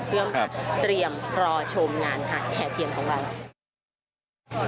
เพื่อเตรียมรอชมงานแถวเทียงของวันนั้น